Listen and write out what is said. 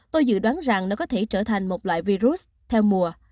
tôi dự đoán rằng nó có thể trở thành một loại virus theo mùa